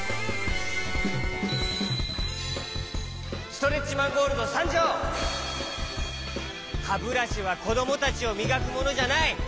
ストレッチマン・ゴールドさんじょう！はブラシはこどもたちをみがくものじゃない！